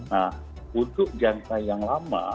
nah untuk jangka yang lama